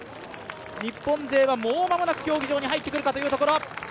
日本勢はもう間もなく競技場に入ってくるかというところ。